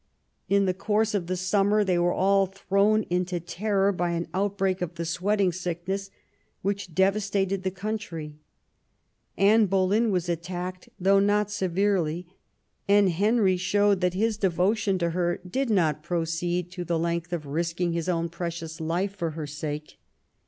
In the course of the summer they were all thrown into terror by an outbreak of the "Sweating Sickness," which devastated the country. Anne Boleyn was attacked, though not severely ; and Henry showed that his devotion to her 166 THOMAS WOLSEY . chap. did not proceed to the length of risking his own precious life for her sake.